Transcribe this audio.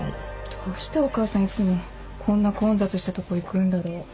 どうしてお母さんいつもこんな混雑したとこ行くんだろう。